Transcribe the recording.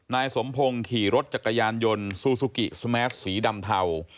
นายสมพงศ์ขี่รถจักรยานยนต์ซูซูกิสแมสสีดำเทา